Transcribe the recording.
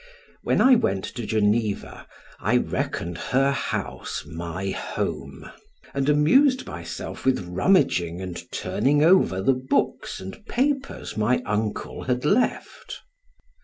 When I went to Geneva, I reckoned her house my home, and amused myself with rummaging and turning over the books and papers my uncle had left.